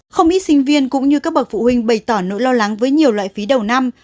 không ít sinh viên cũng như các bậc phụ huynh bày tỏ nỗi lo lắng với nhiều loại phí đầu năm